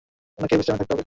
উনাকে বিশ্রামে থাকতে হবে!